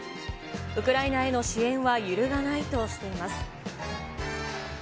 ウクライナへの支援は揺るがないとしています。